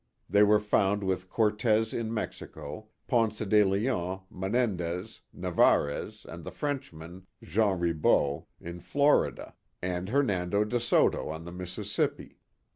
They were found with Cortez in Mexico, Ponce de Leon, Menendes, Narvaez, and the Frenchman, Jean Ribault, in Florida, and Hernando de Soto on the Mississippi.